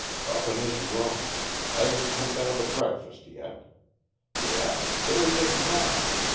"Up in his room. Hasn't come down to breakfast yet. Yes. There he is now.